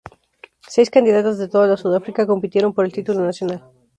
Seis candidatas de toda la Sudáfrica compitieron por el título nacional.